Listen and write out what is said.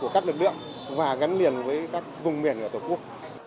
của các lực lượng và gắn liền với các vùng miền của tổ quốc